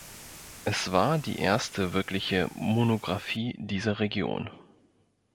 Es war die erste wirkliche Monographie dieser Region.